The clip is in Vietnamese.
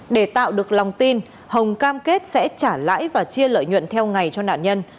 để tạo được lòng tin hồng cam kết sẽ trả lãi và chia lợi nhuận theo ngày cho nạn nhân